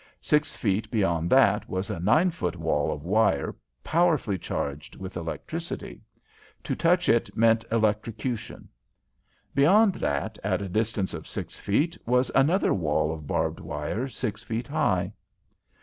Six feet beyond that was a nine foot wall of wire powerfully charged with electricity. To touch it meant electrocution. Beyond that, at a distance of six feet was another wall of barbed wire six feet high.